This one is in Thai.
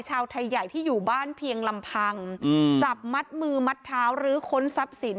ชาวไทยใหญ่ที่อยู่บ้านเพียงลำพังจับมัดมือมัดเท้าหรือค้นทรัพย์สิน